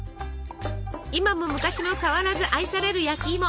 今も昔も変わらず愛される焼きいも。